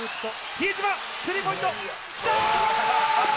比江島、スリーポイント、きたー！